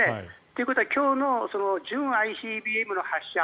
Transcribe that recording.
ということは今日の準ＩＣＢＭの発射